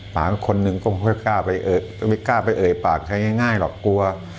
ป่าคนหนึ่งก็ไม่กล้าไปเอ่ยป่าใช้ง่ายหรอกกลัว